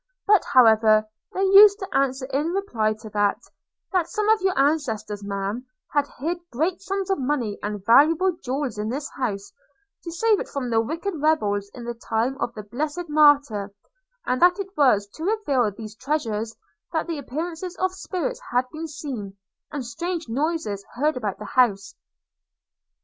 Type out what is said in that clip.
But, however, they used to answer in reply to that, that some of your ancestors, Ma'am, had hid great sums of money and valuable jewels in this house, to save it from the wicked rebels in the time of the blessed Martyr; and that it was to reveal these treasures that the appearances of spirits had been seen, and strange noises heard about the house.'